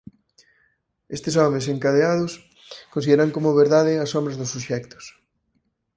Estes homes encadeados consideran como verdade as sombras dos obxectos.